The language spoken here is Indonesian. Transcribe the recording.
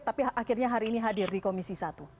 tapi akhirnya hari ini hadir di komisi satu